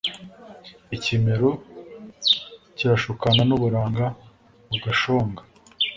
Ikimero kirashukana n’uburanga bugashonga